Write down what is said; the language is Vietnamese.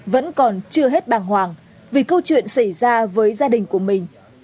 vẫn còn chưa hết bàng hoàng vì câu chuyện xảy ra với gia đình của mình